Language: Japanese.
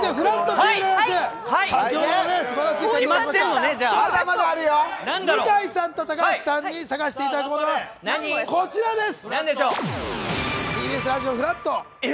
チーム向井さんと高橋さんに探していただくものは、こちらです。